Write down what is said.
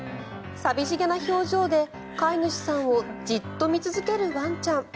寂しげな表情で飼い主さんをじっと見続けるワンちゃん。